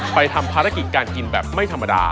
ทำภารกิจการกินแบบไม่ธรรมดา